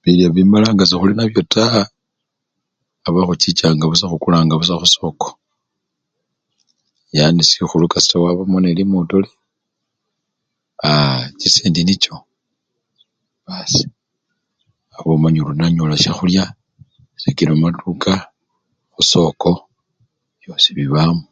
Bilyo bimala nga sekhuli nabyo taa, aba khuchichanga busa khukulanga busa khusoko, yani sikhulu kasita wabamo nelimotole, chisendi nicho waba omanya oli onanyola syakhulya sikila mumatuka, khusoko khosi bibamo.